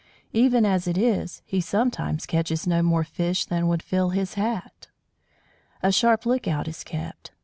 Even as it is, he sometimes catches no more fish than would fill his hat. A sharp look out is kept.